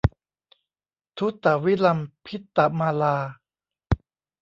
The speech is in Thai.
ทุตวิลัมพิตมาลา